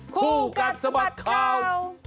ครูกัทสะบัดคราว